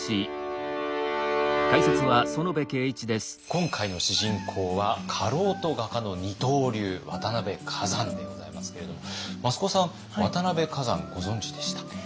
今回の主人公は家老と画家の二刀流渡辺崋山でございますけれども益子さん渡辺崋山ご存じでした？